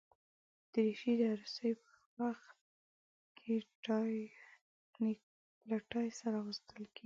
دریشي د عروسي پر وخت له ټای سره اغوستل کېږي.